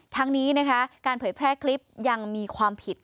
ทั้งนี้นะคะการเผยแพร่คลิปยังมีความผิด